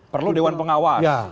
perlu dewan pengawas